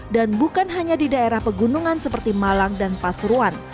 dan bukan hanya di daerah pegunungan seperti malang dan pasuruan